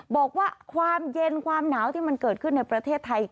บอกว่าความเย็นความหนาวที่มันเกิดขึ้นในประเทศไทย